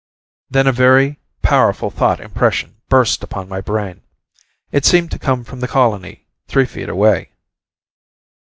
Then a very powerful thought impression burst upon my brain. It seemed to come from the colony, three feet away.